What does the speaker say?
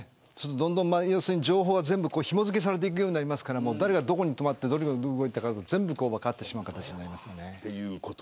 要するに情報が全部ひも付けされていくようになりますから誰が、どこに止まってどう動いたかが全部分かってしまう形になりますね。